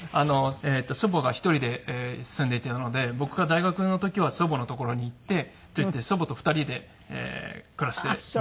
祖母が１人で住んでいたので僕が大学の時は祖母の所に行って祖母と２人で暮らしていましたけど。